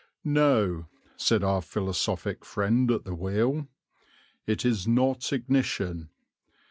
"No," said our philosophic friend at the wheel, "it is not ignition.